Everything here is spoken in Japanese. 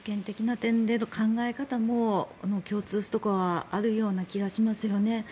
強権的な点で考え方も共通するところはあるような気がしますね。